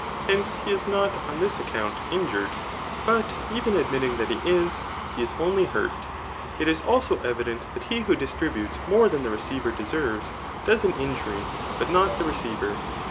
Hence he is not, on this account, injured ; but even admitting that he is, he is only hurt. It is also evident that he who distributes [more than the receiver deserves,] does an injury, but not the receiver.